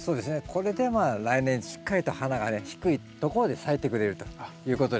これで来年しっかりと花がね低いところで咲いてくれるということですね。